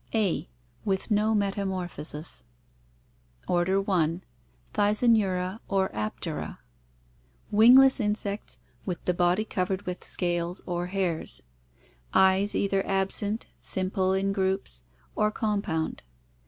A. With no metamorphosis Order 1. Thysanura or Aptera. — Wingless insects with the body cov ered with scales or hairs. Eyes either absent, simple in groups, or com pound.